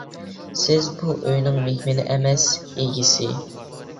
سىز بۇ ئۆينىڭ مېھمىنى ئەمەس، ئىگىسى!